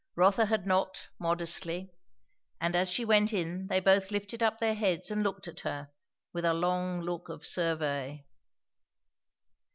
Rotha had knocked, modestly, and as she went in they both lifted up their heads and looked at her, with a long look of survey.